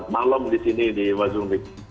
malam di sini di wazumbik